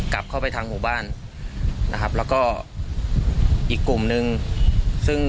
กลับเข้าไปทางหมู่บ้านแล้วก็อีกกลุ่มหนึ่ง